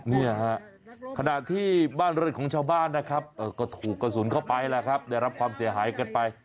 เนี่ยฮะขณะที่บ้านเรือนของชาวบ้านนะครับก็ถูกกระสุนเข้าไปแล้วครับได้รับความเสียหายกันไป